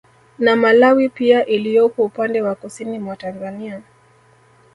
Na malawi pia iliyopo upande wa Kusini mwa Tanzania